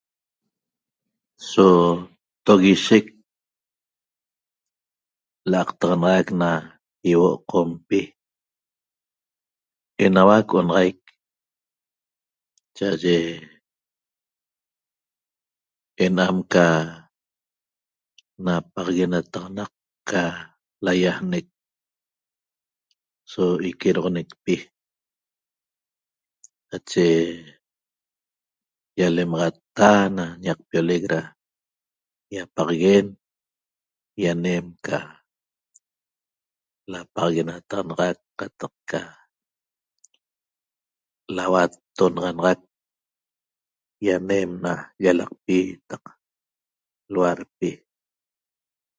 So toguishec l'aqtaxanaxac na ihuo' Qompi enauac onaxaic cha'aye ena'am ca napaxaguenataxaq ca laýajnec so iquedoxonecpi nache ýalemaxatta na ñaqpiolec da ýapaxaguen ýanem ca lapaxaguenataxanaxac qataq ca lauattonaxanaxac ýanem na llalaqpi qataq lhuadpi